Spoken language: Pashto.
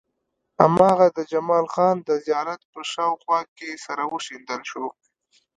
هماغه د جمال خان د زيارت په شاوخوا کې سره وشيندل شو.